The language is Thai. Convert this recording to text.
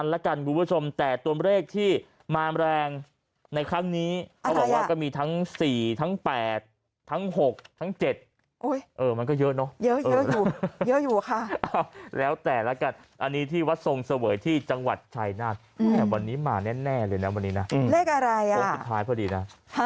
ทั้ง๘ทั้ง๖ทั้ง๗มันก็เยอะเนาะเยอะอยู่ค่ะแล้วแต่แล้วกันอันนี้ที่วัดทรงเสวยที่จังหวัดชายนาฬวันนี้มาแน่เลยนะวันนี้นะเลขอะไรอ่ะ